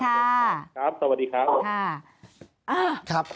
ครับสวัสดีครับ